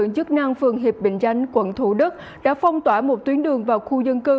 phường hiệp bình chánh quận thủ đức đã phong tỏa một tuyến đường vào khu dân cư